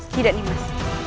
tidak nih mas